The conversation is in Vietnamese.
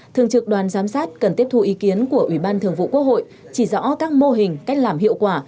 thường trực đoàn giám sát cần tiếp thu ý kiến của ủy ban thường vụ quốc hội chỉ rõ các mô hình cách làm hiệu quả